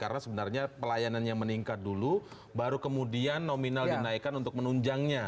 karena sebenarnya pelayanannya meningkat dulu baru kemudian nominal dinaikkan untuk menunjangnya